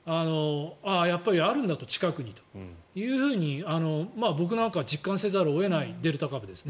やっぱりあるんだ、近くにというふうに僕なんかは実感せざるを得ないデルタ株ですよね。